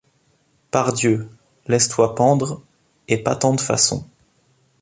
Pardieu, laisse-toi pendre, et pas tant de façons!